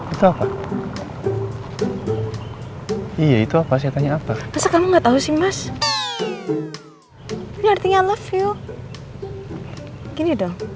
itu apa iya itu apa saya tanya apa rasa kamu nggak tahu sih mas ini artinya love you gini dong